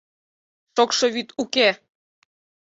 — Шокшо вӱд уке!